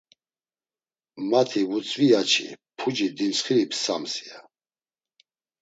Mati vutzvi ya-çi “puci dintsxiri psams” ya.